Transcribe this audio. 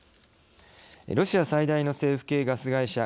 ロシア最大の政府系ガス会社